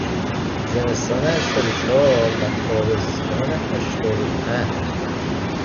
زمستان هشتاد و چهار و تابستان هشتاد و پنج